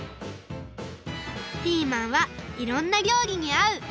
ピーマンはいろんな料理にあう！